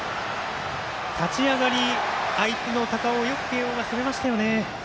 立ち上がり、相手の高尾を慶応がよく攻めました。